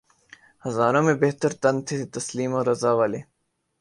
ہزاروں میں بہتر تن تھے تسلیم و رضا والے